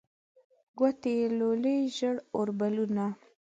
ګوتې یې لولي ژړ اوربلونه